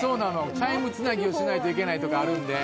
チャイムつなぎをしないといけないとかあるんで。